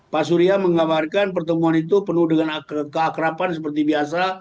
pak surya menggambarkan pertemuan itu penuh dengan keakrapan seperti biasa